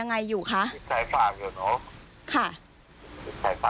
สวัสดีครับ